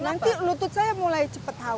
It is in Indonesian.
nanti lutut saya mulai cepat tahu